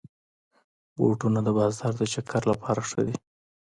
بوټونه د بازار د چکر لپاره ښه دي.